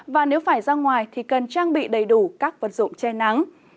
và nếu phải ra ngoài thì cần trang bị đầy đủ các vật dụng che nắng